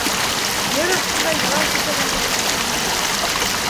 Ер аҫтында йылан көйшәгәнде беләһең...